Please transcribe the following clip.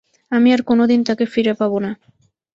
আমি আর কোনোদিন তাকে ফিরে পাব না।